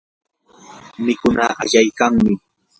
mikunaa ayaykanmi.